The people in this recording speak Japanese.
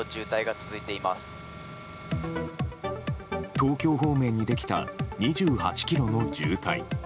東京方面にできた２８ｋｍの渋滞。